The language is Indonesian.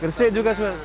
gersik juga sudah ada